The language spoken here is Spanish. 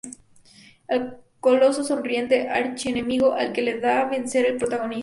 El Coloso Sonriente, archienemigo al que ha de vencer el protagonista.